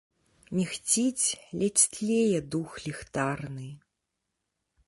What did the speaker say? Мігціць, ледзь тлее дух ліхтарны.